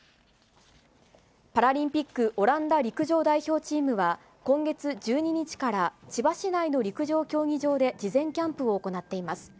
パラリンピック、オランダ陸上代表チームは、今月１２日から千葉市内の陸上競技場で事前キャンプを行っています。